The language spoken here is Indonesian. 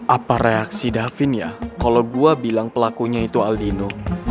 apa reaksi dapin ya kalo gua bilang pelakunya itu aldino